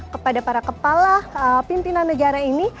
kepada para kepala pimpinan negara ini